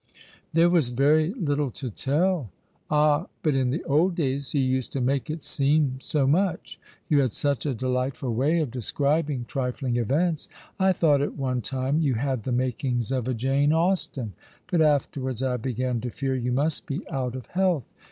" There was very little to tell." '' Ah, but in the old days you used to make it seem so much. You had such a delightful way of describing trifling 84 All along the River, events. I thought at one time you had the makings of a Jane Austen ; but afterwards I began to fear you must be out of health.